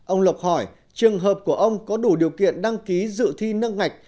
ông lộc hỏi trường hợp của ông có đủ điều kiện đăng ký dự thi nâng ngạch